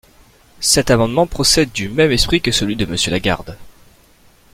Cet amendement procède du même esprit que celui de Monsieur Lagarde.